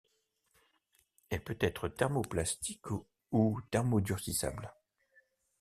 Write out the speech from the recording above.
Elle peut être thermoplastique ou thermodurcissable.